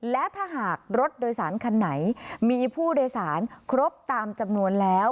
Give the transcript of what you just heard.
และถ้าหากรถโดยสารคันไหนมีผู้โดยสารครบตามจำนวนแล้ว